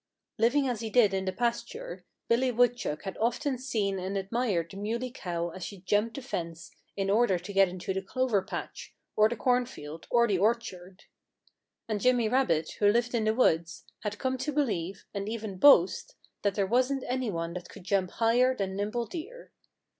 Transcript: Living as he did in the pasture, Billy Woodchuck had often seen and admired the Muley Cow as she jumped the fence in order to get into the clover patch, or the cornfield, or the orchard. And Jimmy Rabbit, who lived in the woods, had come to believe and even boast that there wasn't anyone that could jump higher than Nimble Deer.